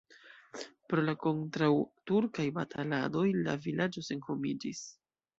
Pro la kontraŭturkaj bataladoj la vilaĝo senhomiĝis.